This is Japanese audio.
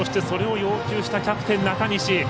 それを要求したキャプテン中西。